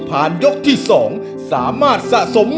ผ่านยกที่สองไปได้นะครับคุณโอ